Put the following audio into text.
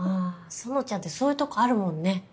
あ苑ちゃんってそういうとこあるもんね。